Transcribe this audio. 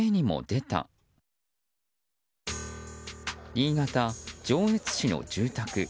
新潟・上越市の住宅。